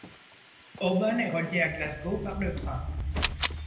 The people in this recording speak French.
Oban est relié à Glasgow par le train.